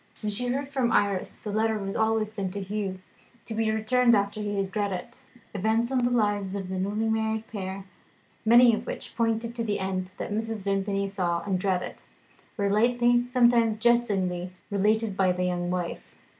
When she heard from Iris the letter was always sent to Hugh, to be returned after he had read it. Events in the lives of the newly married pair, many of which pointed to the end that Mrs. Vimpany saw and dreaded, were lightly, sometimes jestingly, related by the young wife.